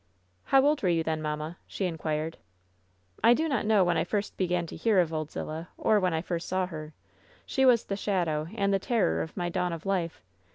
"How old were you then, mamma ?" she inquired. "I do not know when I first began to hear of Old Zil lah, or when I first saw her. She was the shadow and the terror of my dawn of life.